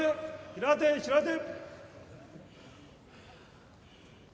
平手平手！